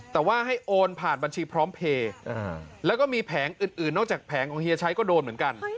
แต่ว่าให้โอนผ่านบัญชีพร้อมเพลย์แล้วก็มีแผงอื่นนอกจากแผงของเฮียชัยก็โดนเหมือนกัน